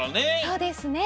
そうですね。